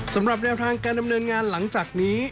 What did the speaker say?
สำหรับแนวทางการดำเนินงานหลังจากนี้